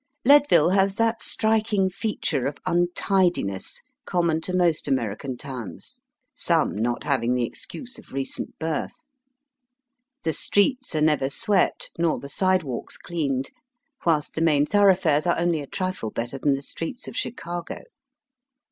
Leadville has that striking feature of untidiness common to most American towns — some not having the excuse of recent birth. The streets are never swept, nor the side walks cleaned, whilst the main thoroughfares are only a trifle better than the streets of Chicago.